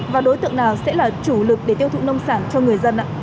và đối tượng nào sẽ là chủ lực để tiêu thụ nông sản cho người dân ạ